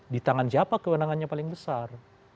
di tangan siapa kewenangannya paling besar